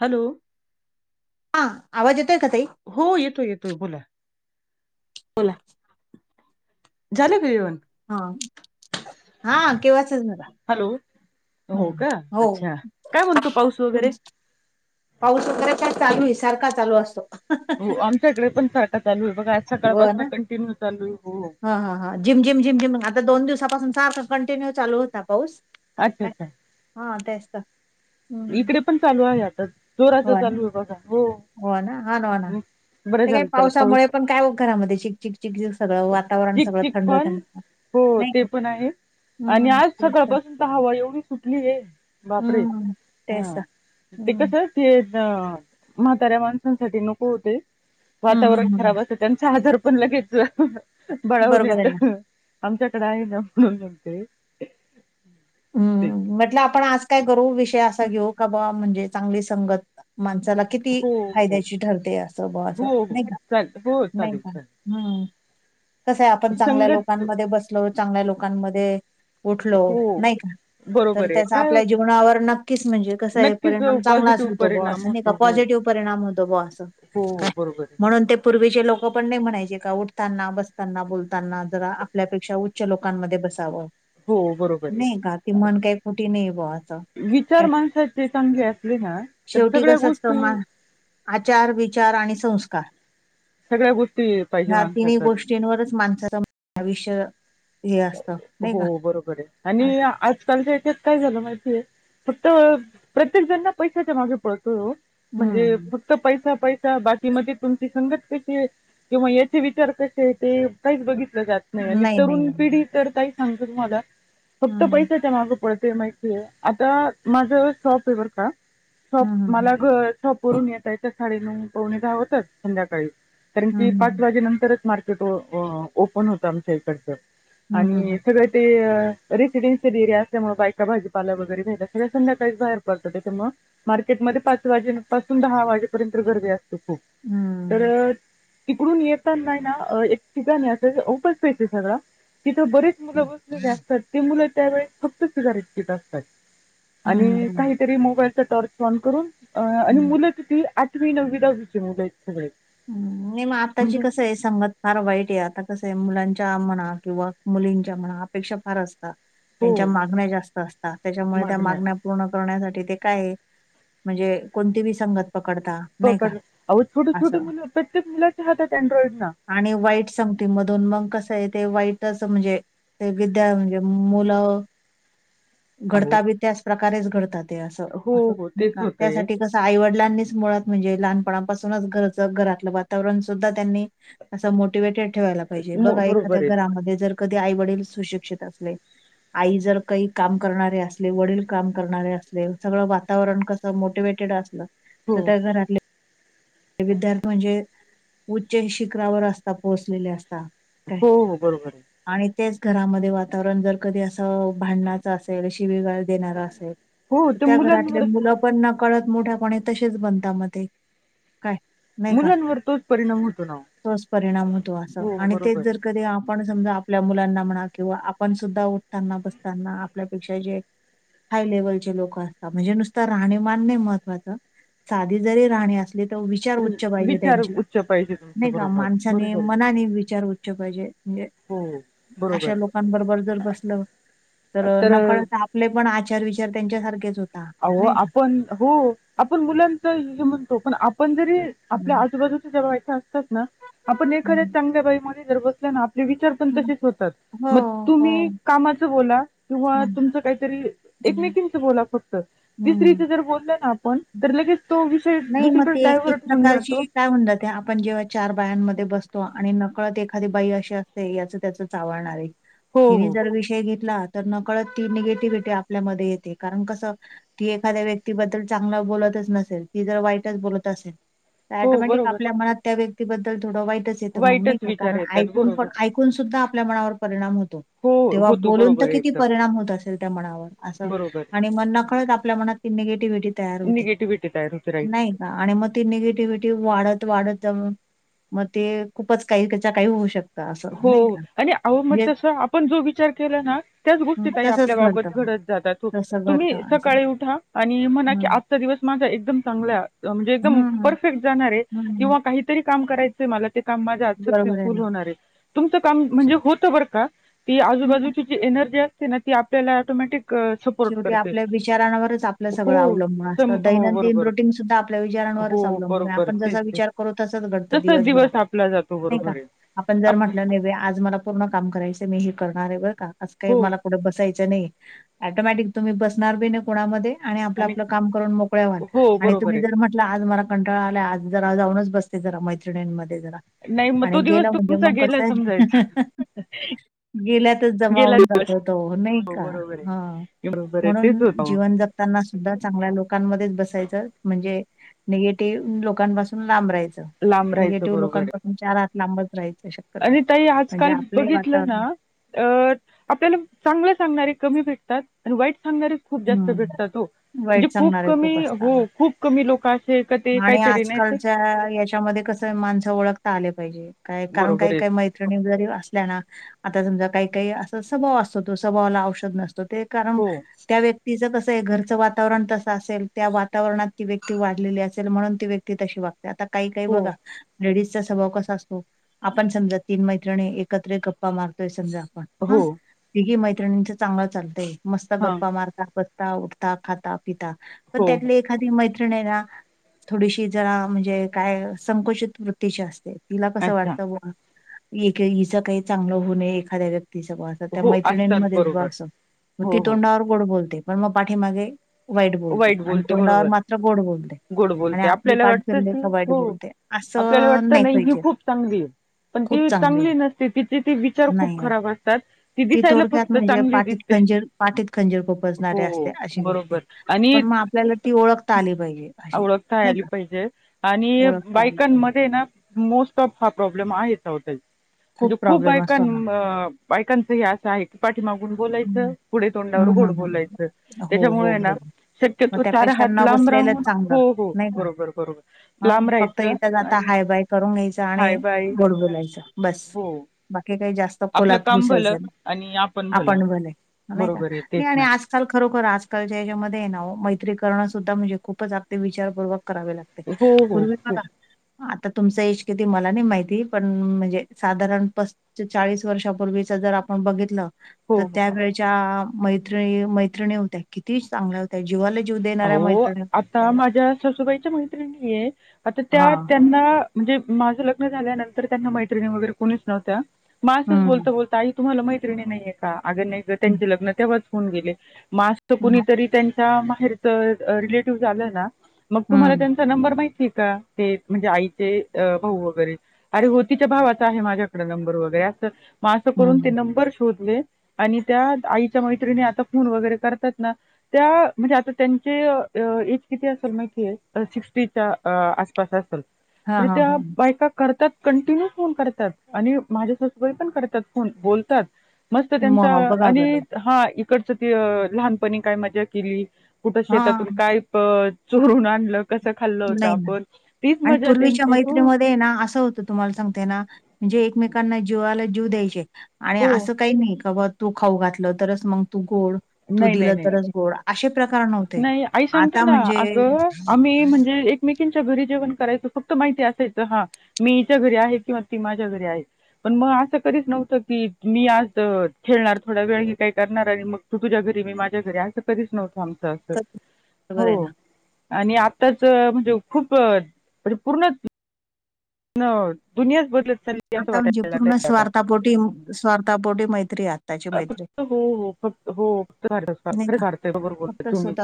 Hello हां आवांज येतोय कां ताई हो येतोय येतोय बोलां बोलां झालं कां जेवणं हां हां केव्हांच चं झालं हॅलो हो कां अच्छा कायं म्हणतो पाऊस तुम वगैरें पाऊस वगैरें कायं चालूं आहे सारखां चालूं असतों हो आमच्यांकडे पणं सारखां चालूं आहे बघां आंज सकाळंपासून कंटिन्यू चालूं आहे हो ह ह हा जिम, जिम, झिम, जिम आता दोन दिवसापासून सारखं कंटिन्यू चालू होता पाऊस. अच्छा, काय अच्छा. हा तेच तर. हम्म इकडे पण चालू आहे आता जोराच चालू आहे बघा हो. होणा हाना होणा. हं. बरं ते काय झालं त्याला पाऊस पावसामुळे पण काय घरामध्ये चिकचिक चिकचिक सगळं वातावरण सगळं चिकचिक थंड पण थंड हो नाही ते का पण आहे आणि हम्म आज तेच सकाळपासून तर हवा एवढी सुटली आहे बापरे हम् [inaudible] हा ते कस ते म्हाताऱ्या माणसांसाठी नको ओ ते. हम्म वातावरण हम्म हम्म खराब असत त्यांचा आजार पण लगेच बळावून बरोबर आहे येत. ना आमच्याकडे आहे ना म्हणून सांगते. हम्म म्हटलं आपण आज काय करू विषय असा घेऊ का बा म्हणजे चांगली संगत माणसाला किती हो हो फायद्याची ठरते असं बां हो हो नाही का चालेल हो नाही चालेल का चालेल हम्म कस आहे आपण चांगल्या संगत लोकांमध्ये बसलो, चांगल्या लोकांमध्ये उठलो हो नाही का? तर बरोबर आहे त्याचा काय आपल्या होत- जीवनावर नक्कीच म्हणजे कसा आहे नक्कीच परिणाम चांगलाच पॉझिटिव्ह होतो ब परिणाम असं नाही का होतो हो पॉझिटिव्ह परिणाम होतो ब अस हो काय बरोबर आहे म्हणून ते पूर्वीचे लोक पण नाही म्हणायचे का उठताना, बसताना, बोलताना जरा आपल्यापेक्षा च्या लोकांमध्ये बसावं. हो. बरोबर आहे. नाही का ती मन काही खोटी नाही बो असं. विचार माणसाचे चांगले असले ना तर शेवटी सगळ्या कसं असतं गोष्टी मा आचार, विचार आणि संस्कार सगळ्या गोष्टी पाहिजे ह्या तिन्ही माणसाकडे गोष्टींवरच माणसाचा आयुष्य हे असत. हो बरोबर आहे आणि आजकालच्या ह्याच्यात काय झालं माहितीय फक्त प्रत्येक जणना पैशाच्या मागे पडतोय हो. म्हणजे हम्म फक्त पैसा, पैसा बाकीमध्ये तुमची संगत कशी आहे. किंवा याचे विचार कसे आहे ते काहीच बघितलं जात नाही आणि तरुण पिढी तर ताई सांगते तुम्हाला फक्त हम्म पैसाच्या माग पडते माहि आता माझं शॉप आहे बर का शॉप हम्म मला घर शॅप वरुणी येता येता साडेनऊ पवणे दहा होतात संध्याकाळी कारण की पाच हम्म वाजे नंतरच मार्केट ओपन होत आमच्या इकडचं हम्म हम्म हम्म आणि सगळं ते रेसिडनस रया असल्यामुळे बायका भाजीपाला वगैरे घ्यायला सगळ्या संध्याकाळीच बाहेर पडता त्यामुळे मार्केटमध्ये पाच वाजे पासून दहा वाजेपर्यंत गर्दी असत खूप हम्म तर तिकडून येताना आहेना एक ठिकाणी आहे असं ओपन स्पेस आहे सगळा तिथं बरेच मुलं बसलेली असतात ते मुलं त्यावेेळेस फक्त सिगारेट पीत असतात. हम्म आणि हम्म काहीतरी मोबाईलचा टॉर्च ऑन करून आणि हम्म. मुलं किती आठ ठवी नवी दहावी चे मूला आहेत ते. हम्म नाही मग आत्ताची कसं आहे सांगत फार वाईट आहे आता कसं आहे मुलांच्या म्हणा किंवा मुलींच्या म्हणा अपेक्षा फार असतात. हो त्यांच्या मागण्या जास्त असतात त्याच्यामुळे त्या मागण्या पूर्ण करण्यासाठी ते काय म्हणजे कोणती बी संगत पकडता. नाही का पकड अहो छोटे, असं छोटे मुलं प्रत्येक मुलाच्या हातात अँड्रॉइड ना. आणि वाईट सांगती मधून मग कसं आहे ते वाईटच म्हणजे [unintelligible] अहो घडता बी त्याच प्रकारेच घडत ते अस हो, अस हो नाय तेच का होतंय. त्यासाठी कस आईवडलांनीच मुळात म्हणजे लहानपणापूनच गरत घरातलं वातावरण सुद्धा त्यांनी, अस मोटिवेटेड ठेवायला पाहिजे मो बघा एखाद्या बरोबर आहे. घरामध्ये जर कधी आई वडील सुशिक्षित असले आई जर काही काम करणारे असले वडील काम करणारे असले सगळं वातावरण कस असं मोटिवेटेड असलं, हो. तर त्या घरातले. ते विद्यार्थी म्हणजे, उच्च शिखरावर असतात, पोहोचलेले असतात. का काय? हो, हो बरोबर आहे. आणि तेच घरामध्ये वातावरण जर कधी अस भांडना शिवीगाळ देणारा असल, हो ते त्या घरातले मुलांवर मुलं पण न कळत मोठ्यापणे तशेच बनता म ते. काय, नाही का? मुलांवर तोच परिणाम होतो ना ओ. तोच परिणाम होतो असं, हो आणि बरोबर तेच आहे. जर कधी आप पण समजा, आपल्या मुलांना म्हणा, किंवा आपण सुद्धा उठताना, बसताना आपल्यापेक्षा जे हाय लेव्हलचे लोक असतात, म्हणजे नुसत राहणीमान नाही महत्त्वाचं, साधी जरी राहणी अस तो विचार तर उच्च पाहिजे विचार त्यांचे उच्च पाहिजे तुमचं नाही का? बरोबर आहे. माणसाने बरोबर आहे, बरोबर आहे. मनाने विचार उच्च पाहिजे. म्हणजे, हो, बरोबर अशा आहे. लोकांबरोबर जर बसलं, तर नकळत आपले पण आचार- विचार त्यांच्या सारखेच होत. अवो, आपण हो, आपण मुलांच हे म्हणतो पण आप पण जरी आपल्या हं. आजूबाजूच्या ज्या बायका असतात ना आपण एखाद्या चांगल्या बाई मध्ये [unintelligible] आपले विचार पण हं. तसेच होतात. हो, मग हो. तुम्ही कामाच बोला, किंवा हं, तुमचं काहीतरी हं, एकमेकींचं बोला फ तिसरी हं. जर बोलल ना आपण, तर लगेच तो विषय नाही मग दुसरीकडे ते डायव्हर्ट होऊन प्रकारची जातो काय म्हणता ते आपण जेव्हा चार बायांमध्ये बसतो. आणि नकळत एखादी बाई अशी असते. याच त्याच चावळणारी आहे. हो तिने हो जर विषय घेतला. तर, नकळत ती निगेटिव्हटी आपल्यामध्ये येते. कारण कसं ती एखाद्या व्यक्तीबद्दल चांगला बोलतच नसेल, ती जर वाईटच बोलत असेल, तर हो टोमॅटिक बरोबर आपल्या मनात त्या व्यक्तीबद्दल थोडं वाईटच ते तर मग नाही वाईटच का, विचार कारण येतात बरोबर ऐकूनपण ऐकून सुद्धा आपल्या मनावर परिणाम होतो. हो तेव्हा होतो बोलून बरोबर तर आहे किती एकदम परिणाम होत असल त्या मनावर असं. बरोबर आणि मग नकळत आपल्या मनात ती निगेटिव्हिटी तयार होते. निगेटिव्हिटी तयार होते. राइट. नाही का आणि मग ती निगेटिव्हिटी वाढत वाढत जाऊन मग ते खूपच काहीच्या काही होऊ शकत. हो आणि अहो म तस आपण जो विचार केला ना त्याच हं, गोष्टी ताई तसंच आपल्याबाबत घडतं घडत जातात. हो. तसं तुम्ही घडतं असं सकाळी उठा. आणि म्हणा की हं, आ जचा दिवस माझा एकदम चांगला म्हणजे एकदम हं, परफेक्ट जाणार हाय. हं. किंवा काही तरी काम करायचंय मला. ते काम माझ आज बरोबर सक्सेसफुल ना. होणार आहे. तुमचं काम म्हणजे होत बरं का? ती हं, आजूबाजूची जी एनर्जी असते ना, ती आपल्याला ऑटोमॅटिक सपोर्ट शेवटी करते. आपल्या विचारांवरच आपलं सगळं हो अवलंबून सम असतं हो दैनंदिन बरोबर. रुटीन सुद्धा आपल्या विचारांवरच हो अवलंबून हाय. बरोबर आपण तेच जसा तेच. विचार करू तसच घडतं तसाच दिवसभरात. दिवस आपला जातो नाही का? बरोबर आहे. आपण जर आप म्हटलं नाही आज मला पूर्ण काम करायचं मी हे करणार आहे बरं का? असं काही हो मला कुठं बसायच नाई ऍटोमॅटिक तुम्ही बसणार बी नाय कुणामध्ये. आणि आपलं आपलं काम करून मोकळ्याव्हाल हो आणि बरोबर तुम्ही आहे. जर म्ह ना आज मला कंटाळा आला. आज जरा जाऊनच बसते. जरा मैत्रिणींमध्ये जरा नाही मग आणि तो गेल दिवस म्हणजे तुमचा मग गेला कसं समजायचा. गेल्यातच गेला जमावून दिवस. जातो तो, नही हो का? बरोबर हा आहे. बरोबर आहे तेच म्हणून होतं मग. जीवन जगताना सुद्धा चांगल्या लोकांमध्येच बसायचं, म्हणजे निगेटिव्ह लोकांपासून लांब राहायचं, लांब राहायचं निगेटिव्ह बरोबर आहे. लोकांपासून चार हात लांबच राहायच. आणि ताई आजकाल बघितलं ना अ आपल्याला चांगलं सांगणारे कमी भेटतात आणि वाईट सांगणारे खुप जास्त हं, भेटतात हॊ, म्हणजे वाईट खूप सांगणारे कमी, असतात. हो खूप कमी लोक अश आणि आजकालच्या आ याच्यामध्ये कस, माणसं ओळखता आले पाहिजे, काय कारण बरोबर काही आहे. काही मै नी जरी असल्याना, आता समजा काही-काही असा स्वभाव असतो तो, स्वभावाला औषध नसतो, ते कारण हो त्या व्यक्तीचं तसं ये घरचं वातावरण तसं असेल, त्या वातावरणात ती व्यक्ती वाढलेली असे ल, म्हणून ती व्यक्ती तशी वागते, आता काही-काही हो बघा लेडीजचा स्वभाव कसा असतो, आपण समजा तीन मैत्रिणी एकत्र गप्पा मारतोय समजा आपण हो हं, तिघी मैत्रिणींच चांगलं चालतंय, मस्त हां गप्पा मारता बस ता, उठता, खाता, पिता, पण हो हो त्यातली एखादी मैत्रिणी ना थोडीशी जरा म्हणजे काय संकुचित वृत्तीची असते, तिला कसं अच्छा वाटतं ब एक ई हिचं काही चांगलं होऊ नये एखाद्या व्यक्तीच ब त त्या हो असतात मैत्रिणींमध्ये बग बरोबर. अस, ती हो हो हो. तोंडावर गोड बोलते, पण मग पाठीमागे वाईट बोलते अन तोंडावर मात्र गोड बोलते. गोड आणि बोलते, आपली आपल्याला पाठ वाटत फिरली कीं का वाईट हो, बोलते आपल्याला असं वाटतं नाही नही ही पाहिजे खूप चांगली. पण खूप ती चांगली आहे. नसते, तिचे ते विचार खूप नाही नाही खराब असतात, ती दिसायला थोडक्यात फक्त म्हणजे चांगली पाठीत दिसते. खंजीर, पाठीत खंजीर खुपसणारे असते, हो अशी व्यक्ती. बरोबर आणि पण मग आपल्याला ती ओळखता आली पाहिजे, अशी. ओळखता नाही आली का पाहिजे आणि ओळखता आली पाहिजे बायकांमध्ये ना, मोस्ट ऑफ हा प्रॉब्लेम आहेच अहो ताई. म्हणजे खूप प्रॉब्लेम असतो हा बायकां-म बायकांच हे असं आहे. पाठीमागून हं. बोलायचं, पुढे तोंडावर हम्म गोड हम्म हम्म. बोलायचं, हो, हो, त्याच्यामुळे ना हो. मग शक्यतो चार त्यापेक्षा हात न लांब बसलेलंच राहून चांगलं, हो हो नही का बरोबर बरोबर हं लांब फक्त राहायचं येेता- जाता आणि हाय बाय करून घ्यायच आणि हाय बाय गोड बोलायच, बस हो बाकी काही जास्त आपलं खोलात काम भलं, घुसायचं नाही. आणि आप आपण भले, नही का? नही आणि ना आज काल, खरोखर आजकालच्या याच्यामध्ये ये ना ओ मैत्रीकरणं सुद्धा म्हणजे खूपच अगदी विचारपूर्क करावे लाग ते, हो हो पूर्वी हो बघा हां, आता तुमच एज किती मला नही माहिती, पण म्हणजे साधारण पस ते चाळीस वर्षापूर्वीच जर आपण बघितलं हो तर हो त्या वेळच्या मैत्रिणी-मैत्रिणी होत्या, किती चांगल्या होत्या, जिवले अहो आता माझ्या ससुबाईच्या मैत्रिणी ये, आता त्या हां. त्यांना म्हणजे माझं लग्न झाल्यानंतर त्यांना मैत्रिणी वगैरे कोणीच नव्हत्या, म असंच हं. बोलता-बोलता आई तुम्हाला मैत्रिणी नहीेये का? अग नहीं गं हं. त्यांचे लग्न तेव्हाच होऊन गेले, म अस त हं. कुणीतरी त्यान च्या माहेरचं रेलॅटिव्ह आलं ना, मग तुम्हाला हं. त्यान चा नंबर माहितीय का ते, म्हणजे आईचे भाऊ वगैरे? आरे हो तीच्या भावाचा आहे माझ्याकड नंबर वगैरे, असं म असं करून ते हं. नंबर शोधले. आणि त्या आईच्या मैत्रिणी आता फोन वगैरे करतात ना, त्या म्हणजे आता त्यांचे अ एज किती असेल माहितीय? अ सिक्स्टीच्या अ-आसपास असल. हां, तरी हां, त्या हां. बायका करतात कंटिन्यू फोन करतात आणि माझ्या सासूबाई पण करतात, फोन बोलतात. मस्त त्यांचा मग बघा आणि बरं. हां इकडचं ते लहानपणी काय मजा केली. कुठं शेतातूंन हां. कायं पणं चोरूंन आणलं कसं खाल्लं होतं नाही आपणं तीचं मज्जा त्यांची हो ते नां असं होतं तुम्हांला सांगते नां म्हणंजे एकमेकांना जीवाला जीव द्यांयचे आणि हो असं कांहीं नाहीं कां तूं खाऊं घातलं तरचं मंग तूं गोंड तूं नाही नाही दिलं नाही तरचं गोंड असे प्रकार नव्हते नाही आई सांगते आंता म्हणजे एकमेकीच्यां घरी जेवणं करायचं फक्तं माहिती असायचं, हां मीच्यां घरी आहे किंव्हा ती माझ्यां घरी आहे पणं मंग असं करीच नव्हतं की मी आंज खेळणांर थोंडा वेळ कांहीं करणारं आणि मंग तूं तुझ्यां घरी मी माझ्यां घरी असं कधीचं नव्हतं आमचं असं कधी बरोबर आहे हो ना. आणि आत्ताचं म्हणजे खूंप म्हणजे पूर्ण नं दुनियांच बदलतं चालली असं आंता म्हणजे वाटायला पूर्ण लागलंय आता. स्वार्थापोटी स्वार्थापोटी मैत्री आंता फक्तं हो हो फक्तं हो फक्तं कांत खरे करतेय बगरं बोलतांय तुम्हीं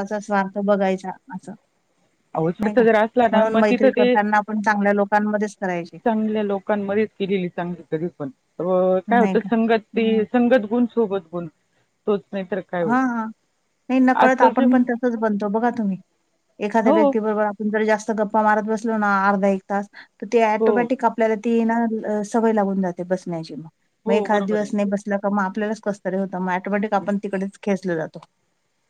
बघायचां असं अहो, नाहीं स्वार्थ कां जर असला ना म्हणूंन मग मैत्री तिथं ते करतांना आपणं चांगल्यां लोकांमध्येंच करायची चांगल्या लोकांमध्ये केलेली चांगली तरी पणं अं कायं नाही होतं का? संगत ते संगत सोबत ब -तोचं नाहीं तरं हां हां नाहीं नकळंत आपणं पणं तसंच बनतो बघां तुम्हीं एखाद्यां हो व्यक्ती बरोबर जास्तं गप्पां मारतं बसलो नां अर्धा एक तांस तरं ते हो टोमॅटिक आपणं आपल्यांला ती ना सवंय लागूंन जाते बसण्यांची मंग हो एखादं बरोबर आहे दिवसं नाहीं बसल्या कां मंग आपल्यांला कसं होतं मंग टोमॅटिक आपणं तिकडेचं खेचलं जातो.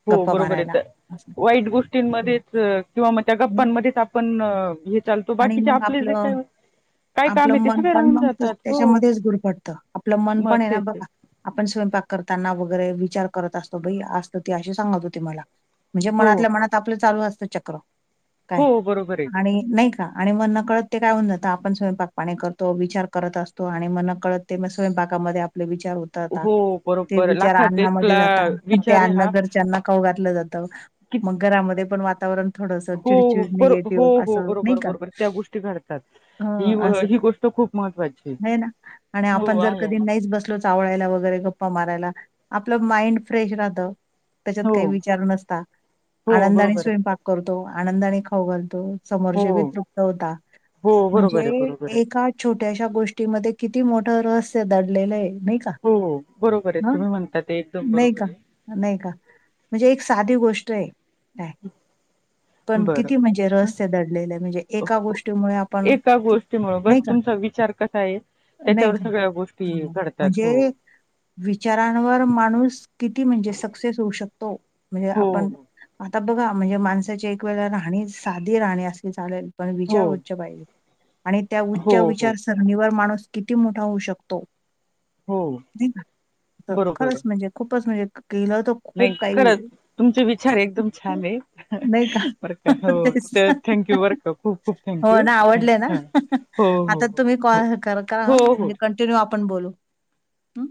हो गप्पा बरोबर आहे मारायला तरं असं. वाईट गोष्टींमध्येंच किंवा मंग त्यां हं. गप्पांमध्येचं पणं अं आणि मंग आपलं काय काम आपलं आहे ते मनं सगळे पणं राहून मंग जातात हो त्यांच्यामध्ये चं गुडफडतं आपलं मनं मग पणं आहे नां तेच ते बघां आपणं स्वयंपाक करतांना वगैरें विचार करतों असतों बाई आंज ती अशी सांगतं होती मलां म्हणजे हो मनातल्यां मनांत आपलं चालूं असतं चक्रं हो बरोबर आहे कायं आणि नाहीं आणि मणं नं कळतं ते कायं होऊन जातं आपणं, स्वयंपाक पाणी करतों विचार करतं असतों आणि मणं कळतं ते स्वयंपाकामध्यें आपले विचार होते. हो ते बरोबर विचार लाखात अन्नामध्यें एकला जातां ते विचार आहे अन्न हा घरच्यांना खाऊं घातलं जातं मंग घरांमध्ये पणं वातावरण थोडंस हो हो चिडचिड बरो हो निगेटिव्ह हो असं नाही बरोबर का? बरोबर त्यां गोष्टी घडतांत. ही हं, असं ही गोष्ट खूंप महत्वांची आहे हो आहे. कांहीं नसलं चावलेला वगैरें गप्पां मारायंला आपलं माइंड फ्रेश राहतं त्यांच्यात हो कांहीं विचार नसतां हो आनंदाने बरोबर आहे. स्वयंपाक करतो आनंदाने खाऊं घालतो स सर्व हो तुटंवतां हो म्हणजे बरोबर आहे बरोबर आहे एकां छोट्यांच्या गोष्टींमध्ये किती मोठं रहस्यं दडलेलं आहे नां ही कां हो बरोबर आहे तुम्हीं म्हणतांत ते एकदंम बरोबर आहे. नाहीं कां म्हणजे एक सांधी गोष्ट आहे. कायं पणं किती म्हणजे बरं रहस्यं दडलेले आहे एकां गोष्टींमुळे आपणं एका गोष्टीमुळे बस नाहीं कां तुमचा विचार कसा आहे. नाहीं त्याच्यावर कां सगळ्या गोष्टी घडतात हो म्हणजे विचारांवर माणूंस किती म्हणजे सक्सेस होऊ शकतो म्हणजे हो आपणं आंता बघां म्हणजे माणसांची एक वेळे राहणी सांधी राहणी असली चालेल पणं हो विचार उच्चं पाहिजे आणि त्यां हो उच्चं हो विचार सणीवर माणूंस किती मोठा होऊ शकतो हो नाही का बरोबर आहे खरंच म्हणजे खूपच म्हणजे गेला होतो. नाही खरच तुमचे विचारे एकदम छान आहे नाही का बर का हो तेच तर ना. थँक् हो ना आवडले ना हां हो हो आता तुम्ही हो कॉल कर का करा हा हो हो म्हणजे हो कंटिन्यू आपण बोलू. हं.